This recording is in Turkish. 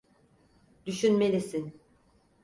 Düşünmelisin.